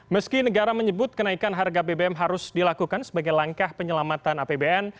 meski negara menyebut kenaikan harga bbm harus dilakukan sebagai langkah penyelamatan apbn